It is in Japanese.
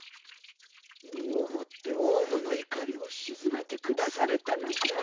身をもって王蟲の怒りを静めてくだされたのじゃ。